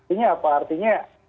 ini apa artinya